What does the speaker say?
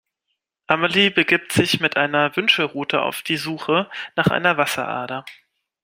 Amelie begibt sich mit einer Wünschelrute auf die Suche nach einer Wasserader.